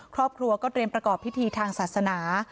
ครอบครัวก็เตรียมประกอบพิธีทางศาสนา